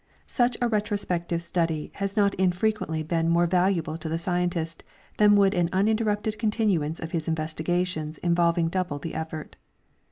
Such a retrospective study has not infre quently been more valuable to the scientist than would an uninterrupted continuance of his investigations involving double the effort.